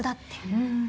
うん。